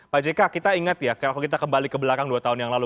pak jk kita ingat ya kalau kita kembali ke belakang dua tahun yang lalu